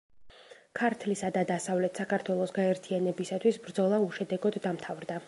ქართლისა და დასავლეთ საქართველოს გაერთიანებისათვის ბრძოლა უშედეგოდ დამთავრდა.